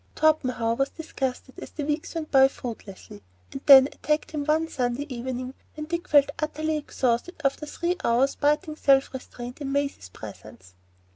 Torpenhow was disgusted as the weeks went by fruitless, and then attacked him one Sunday evening when Dick felt utterly exhausted after three hours' biting self restraint in Maisie's presence.